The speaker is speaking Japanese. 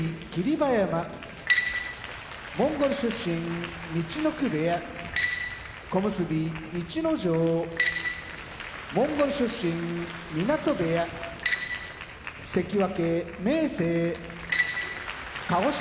馬山モンゴル出身陸奥部屋小結・逸ノ城モンゴル出身湊部屋関脇・明生鹿児島県出身